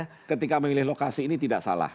ya kita ingin ketika memilih lokasi ini tidak salah